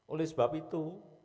oleh sebab itu